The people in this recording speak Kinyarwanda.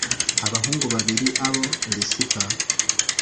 abahungu babiri abo risipa